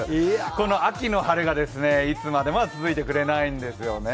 この晴れはいつまでもは続いてくれないんですよね。